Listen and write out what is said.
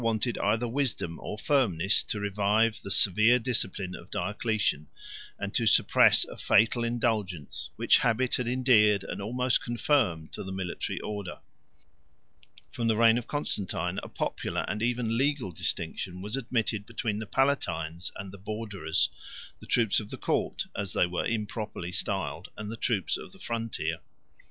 After the use of these internal garrisons had ceased with the civil war, the conqueror wanted either wisdom or firmness to revive the severe discipline of Diocletian, and to suppress a fatal indulgence, which habit had endeared and almost confirmed to the military order. From the reign of Constantine, a popular and even legal distinction was admitted between the Palatines 128 and the Borderers; the troops of the court, as they were improperly styled, and the troops of the frontier.